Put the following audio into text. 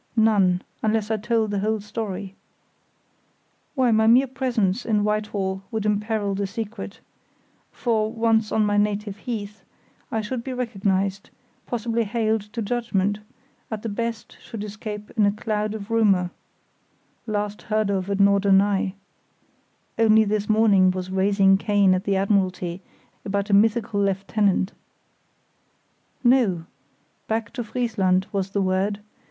None, unless I told the whole story. Why, my mere presence in Whitehall would imperil the secret; for, once on my native heath, I should be recognised—possibly haled to judgement; at the best should escape in a cloud of rumour—"last heard of at Norderney"; "only this morning was raising Cain at the Admiralty about a mythical lieutenant." No! Back to Friesland, was the word.